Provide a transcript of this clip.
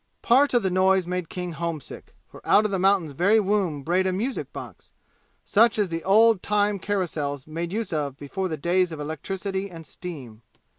Part of the noise made King feel homesick, for out of the mountain's very womb brayed a music box, such as the old time carousels made use of before the days of electricity and steam.